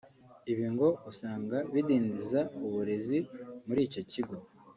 Ibi ngo usanga bidindiza uburezi muri icyo kigo